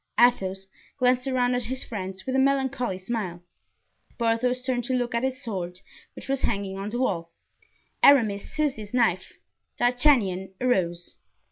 Athos glanced around at his friends with a melancholy smile. Porthos turned to look at his sword, which was hanging on the wall; Aramis seized his knife; D'Artagnan arose.